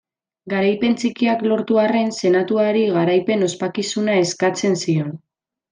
Garaipen txikiak lortu arren, Senatuari garaipen-ospakizuna eskatzen zion.